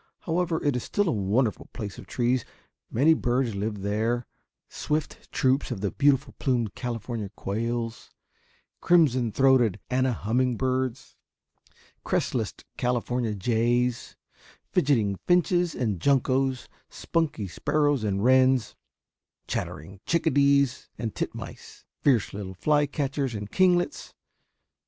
However, it is still a wonderful place of trees. Many birds live there; swift troops of the beautiful plumed California quails; crimson throated Anna humming birds, crestless California jays, fidgeting finches and juncos, spunky sparrows and wrens, chattering chickadees and titmice, fierce little fly catchers and kinglets.